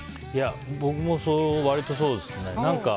僕も割とそうですね。